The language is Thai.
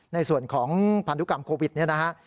ในส่วนของพันธุกรรมโควิดเนี่ยนะฮะ